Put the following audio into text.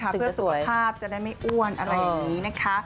เพื่อสุขภาพจะได้ไม่อ้วนอะไรอย่างนี้นะคะ